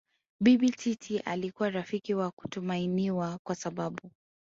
Bibi Titi alikuwa rafiki wa kutumainiwa kwa sababu